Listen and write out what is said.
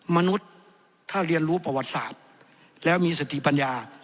มนุษย์ถ้าเรียนรู้ประวัติศาสตร์แล้วมีสติปัญญา